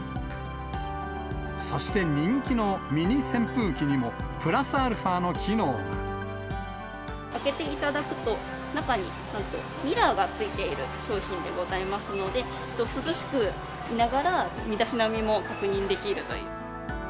そして人気のミニ扇風機にも、開けていただくと、中になんとミラーが付いている商品でございますので、涼しくいながら、身だしなみも確認できるという。